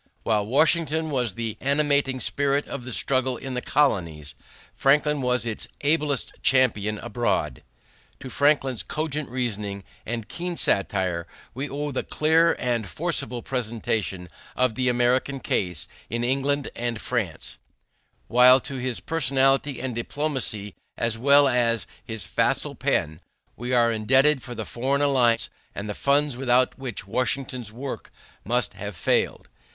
While Washington was the animating spirit of the struggle in the colonies, Franklin was its ablest champion abroad. To Franklin's cogent reasoning and keen satire, we owe the clear and forcible presentation of the American case in England and France; while to his personality and diplomacy as well as to his facile pen, we are indebted for the foreign alliance and the funds without which Washington's work must have failed.